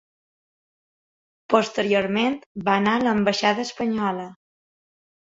Posteriorment, va anar a l’ambaixada espanyola.